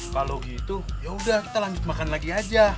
kalau gitu yaudah kita lanjut makan lagi aja